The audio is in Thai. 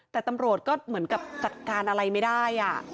แต่ตำรวจก็เหมือนกับจัดการอะไรไม่ได้